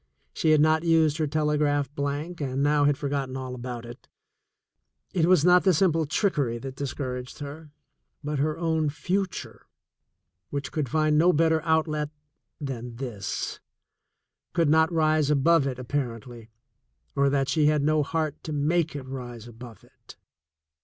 She had not used her telegraph blank, and now had forgotten all about it. It was not the simple trickery that discouraged her, but her own future which could find no better outlet than this, could not rise above it apparently, or that she had no heart to make it rise above it.